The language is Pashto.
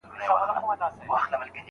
پلار وويل چي صحيح ځای ستا قدر پېژني.